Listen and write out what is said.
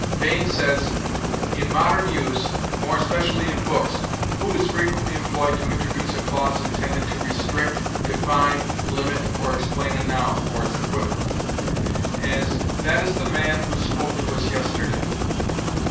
Bain says: "In modern use, more especially in books, who is frequently employed to introduce a clause intended to restrict, define, limit, or explain a noun (or its equivalent); as, 'That is the man who spoke to us yesterday.'"